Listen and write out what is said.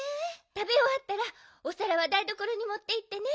たべおわったらおさらはだいどころにもっていってね。